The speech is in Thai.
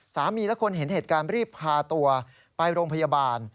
มีคนและคนเห็นเหตุการณ์รีบพาตัวไปโรงพยาบาล